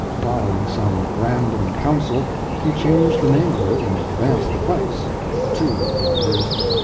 Following some random counsel, he changed the name of it and advanced the price two blunders.